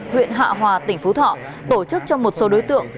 huyện hạ hòa tỉnh phú thọ tổ chức cho một số đối tượng